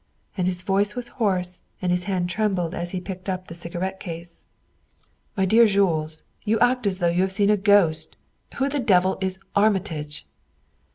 and his voice was hoarse and his hand trembled as he picked up the cigarette case. "My dear Jules, you act as though you had seen a ghost. Who the devil is Armitage?"